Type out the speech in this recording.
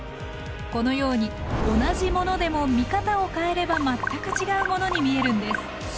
このように同じものでも見方を変えれば全く違うものに見えるんです。